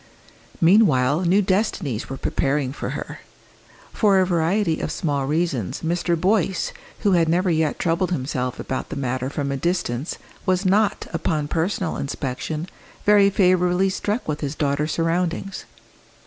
Meanwhile new destinies were preparing for her. For a variety of small reasons Mr. Boyce, who had never yet troubled himself about the matter from a distance, was not, upon personal inspection, very favourably struck with his daughter's surroundings.